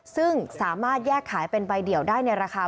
ซึ่งสามารถแยกขายเป็นใบเดี่ยวได้ในราคา